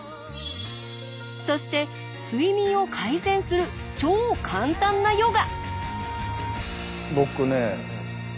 そして睡眠を改善する超簡単なヨガ。